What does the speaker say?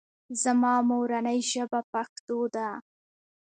زما مورنۍ ژبه پښتو ده